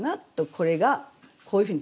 これがこういうふうに。